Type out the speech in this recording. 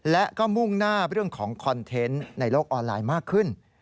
และก็มุ่งหน้าเรื่องของคอนเทนต์ในโลกออนไลน์มากขึ้น